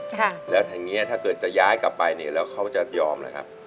ค่ะแล้วทางเนี้ยถ้าเกิดจะย้ายกลับไปเนี่ยแล้วเขาจะยอมหรือครับ